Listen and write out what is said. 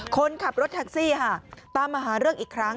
คนขับรถแท็กซี่ค่ะตามมาหาเรื่องอีกครั้ง